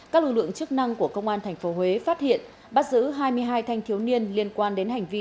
các lực lượng chức năng của công an tp huế phát hiện bắt giữ hai mươi hai thanh thiếu niên liên quan đến hành vi